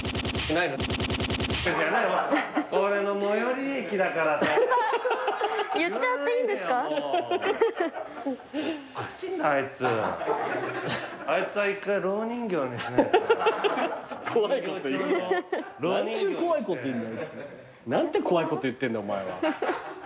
何て怖いこと言ってんだお前は。